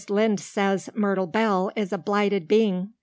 Lynde says Myrtle Bell is a blighted being.